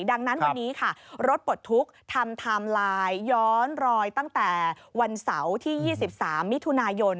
ดังนั้นวันนี้ค่ะรถปลดทุกข์ทำไทม์ไลน์ย้อนรอยตั้งแต่วันเสาร์ที่๒๓มิถุนายน